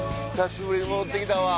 久しぶりに戻って来たわ。